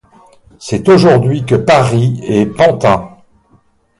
C’est aujourd’hui que Paris est Pantin.